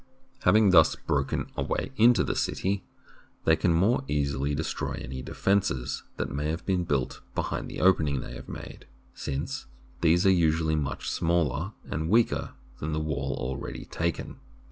Having thus broken a way into the city, they can more easily destroy any defences that may have been built behind the opening they have made, since these are usually much smaller and weaker than the wall already taken.